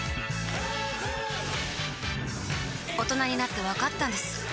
大人になってわかったんです